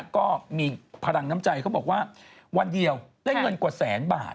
ก็มีพลังน้ำใจเขาบอกว่าวันเดียวได้เงินกว่าแสนบาท